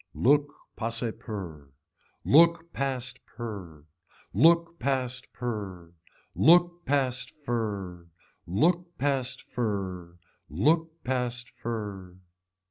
Look pase per. Look past per. Look past per. Look past fer. Look past fer. Look past fer.